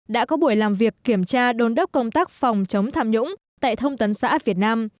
đã có buổi làm việc kiểm tra đôn đốc công tác phòng chống tham nhũng tại thông tấn xã việt nam